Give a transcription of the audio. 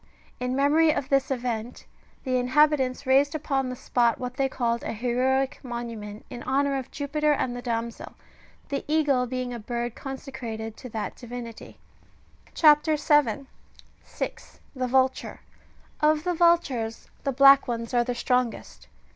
In memory of this event, the inhabitants raised upon the spot what they called an heroic monument,^* in honour of Jupiter and the damsel, the eagle being a bird consecrated to that divinity. CHAP. 7. (6.) THE VULTURE. Of the vultures, the black ones^^ are the strongest.